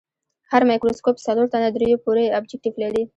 هر مایکروسکوپ څلور تر دریو پورې ابجکتیف لري.